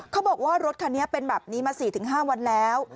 เขาบอกว่ารถคันนี้เป็นแบบนี้มา๔๕วันแล้ว